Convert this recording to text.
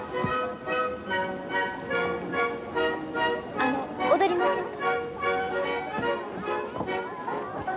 あの踊りませんか？